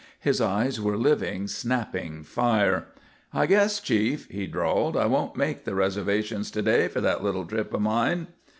His eyes were living, snapping fire. "I guess, chief," he drawled, "I won't make the reservations to day for that little trip of mine."